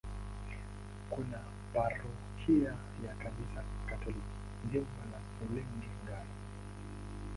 Kuna parokia ya Kanisa Katoliki, Jimbo la Rulenge-Ngara.